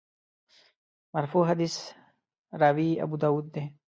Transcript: مرفوع حدیث راوي ابوداوود دی.